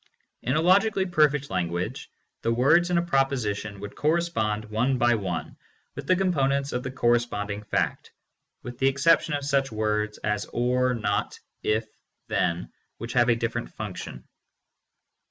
In a logically perfect language the words in a proposition would correspond one by one with the components of the corresponding fact, with the exception of such words as "or," "not," "if," "then," which have a different function.